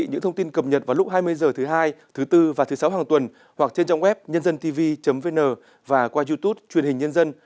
những thông tin cập nhật vào lúc hai mươi h thứ hai thứ bốn và thứ sáu hàng tuần hoặc trên trang web nhândântv vn và qua youtube truyền hình nhân dân